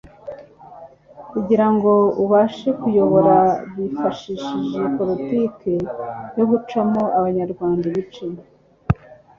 Kugira ngo babashe kuyobora bifashishije politiki yo gucamo Abanyarwanda bice